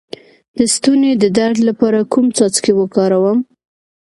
د ستوني د درد لپاره کوم څاڅکي وکاروم؟